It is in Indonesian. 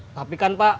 tapi kan pak